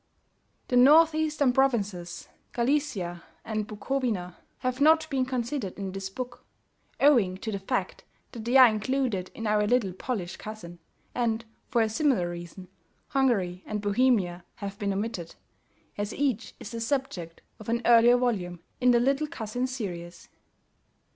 The northeastern provinces, Galicia and Bukowina, have not been considered in this book, owing to the fact that they are included in OUR LITTLE POLISH COUSIN; and, for a similar reason, Hungary and Bohemia have been omitted, as each is the subject of an earlier volume in THE LITTLE COUSIN SERIES.